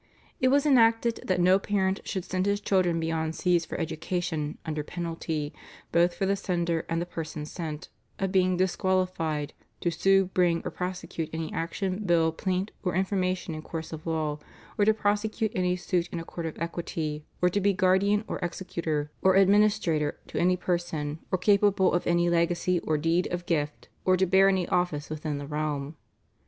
It was enacted that no parent should send his children beyond seas for education under penalty, both for the sender and the person sent, of being disqualified "to sue, bring, or prosecute any action, bill, plaint, or information in course of law, or to prosecute any suit in a court of equity, or to be guardian or executor, or administrator to any person, or capable of any legacy, or deed of gift, or to bear any office within the realm."